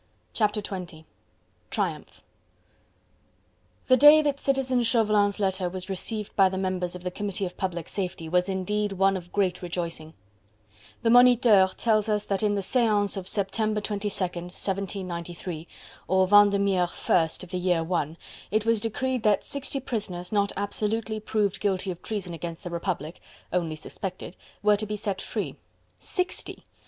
Chapter XX: Triumph The day that Citizen Chauvelin's letter was received by the members of the Committee of Public Safety was indeed one of great rejoicing. The Moniteur tells us that in the Seance of September 22nd, 1793, or Vendemiaire 1st of the Year I. it was decreed that sixty prisoners, not absolutely proved guilty of treason against the Republic only suspected were to be set free. Sixty!...